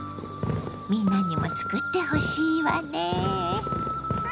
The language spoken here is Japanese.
みんなにも作ってほしいわね。